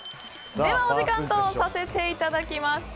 では、お時間とさせていただきます。